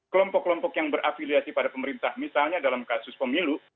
kelompok kelompok yang berafiliasi pada pemerintah misalnya dalam kasus pemilu